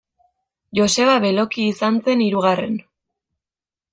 Joseba Beloki izan zen hirugarren.